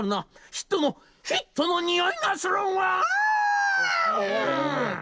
ヒットの、ヒットのにおいがするわおーん！」